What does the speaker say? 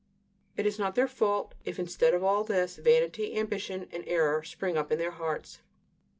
It is not their fault if, instead of all this, vanity, ambition, and error spring up in their hearts.